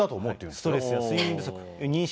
ストレスや睡眠不足、妊娠